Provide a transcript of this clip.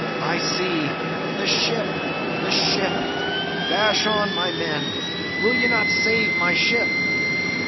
I see: the ship! the ship! Dash on, my men! Will ye not save my ship?"